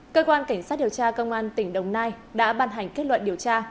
cơ quan cảnh sát điều tra công an tỉnh đồng nai đã ban hành kết luận điều tra